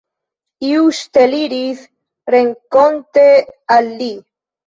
Iu ŝteliris renkonte al li.